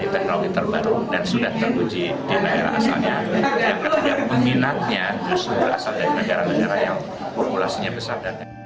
terawih terbaru dan sudah terwujud di daerah asalnya yang tidak meminatnya terus berasal dari negara negara yang populasinya besar